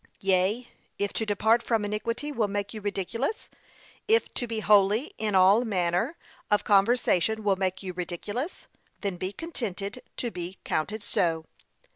Yea, if to depart from iniquity will make you ridiculous, if to be holy in all manner of conversation will make you ridiculous, then be contented to be counted so.